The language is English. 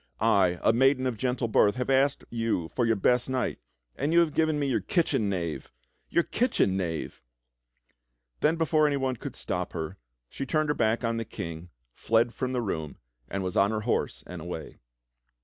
I, a maiden of gentle birth, have asked you for your best knight, and you have given me your kitchen loiave !— Your kitchen knave!" Then before anyone could stop her, she turned her back on the King, fled from the room, and was on her horse and away.